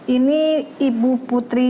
ini ibu putri